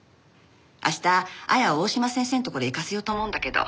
明日亜矢を大嶋先生のところへ行かせようと思うんだけど。